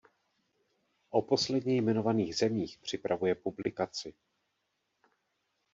O posledně jmenovaných zemích připravuje publikaci.